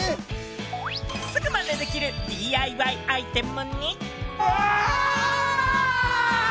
すぐマネできるＤＩＹアイテムに。